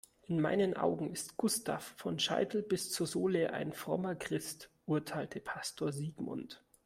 In meinen Augen ist Gustav vom Scheitel bis zur Sohle ein frommer Christ, urteilte Pastor Sigmund.